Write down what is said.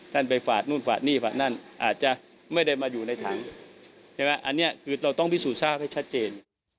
ใช่ไหมอันนี้คือเราต้องพิสูจน์ทราบให้ชัดเจน